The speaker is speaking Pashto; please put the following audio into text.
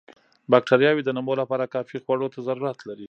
باکټریاوې د نمو لپاره کافي خوړو ته ضرورت لري.